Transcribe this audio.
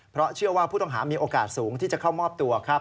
เพราะเชื่อว่าผู้ต้องหามีโอกาสสูงที่จะเข้ามอบตัวครับ